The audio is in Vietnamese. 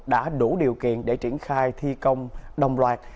đã đủ điều kiện để triển khai thi công đồng loạt